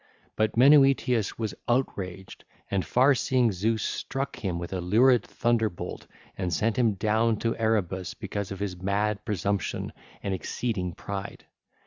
But Menoetius was outrageous, and far seeing Zeus struck him with a lurid thunderbolt and sent him down to Erebus because of his mad presumption and exceeding pride.